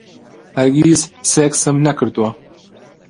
هەرگیز سێکسم نەکردووە.